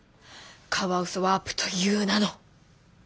カワウソワープという名の。